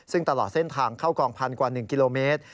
ซึ่งตลอดเส้นทางเข้ากองพันกว่า๑กิโลเมตร